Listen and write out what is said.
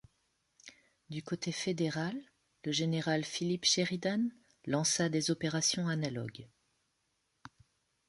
Du côté fédéral, le général Philip Sheridan lança des opérations analogues.